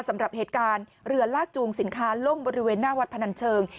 สำหรับเหตุการณ์เรือลากจูงสินค้าล่มบริเวณหน้าวัดพนันเชิง